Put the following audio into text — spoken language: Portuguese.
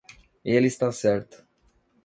Ele está certo